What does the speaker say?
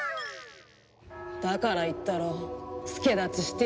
だから言ったろ助太刀してやるって。